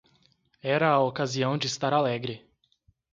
Era a ocasião de estar alegre.